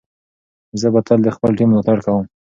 زه به تل د خپل ټیم ملاتړ کوم.